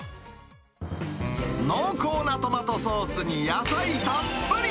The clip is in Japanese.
濃厚なトマトソースに野菜たっぷり。